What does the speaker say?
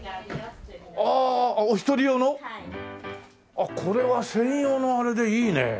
あっこれは専用のあれでいいね！